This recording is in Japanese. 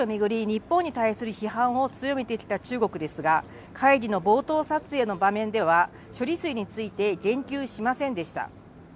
日本に対する批判を強めてきた中国ですが、会議の冒頭撮影の場面では、処理水について言及しませんでした。